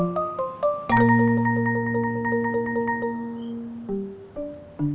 nampaknya juga gak betul pak